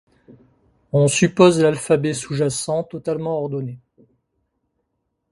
On suppose l'alphabet sous-jacent totalement ordonnée.